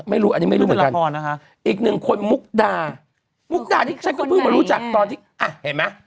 อันนี้ไม่รู้เหมือนกัน